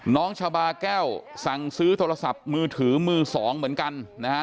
น้องชาบาแก้วสั่งซื้อโทรศัพท์มือถือมือสองเหมือนกันนะฮะ